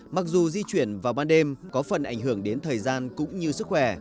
mặc dù di chuyển vào ban đêm có phần ảnh hưởng đến thời gian cũng như sức khỏe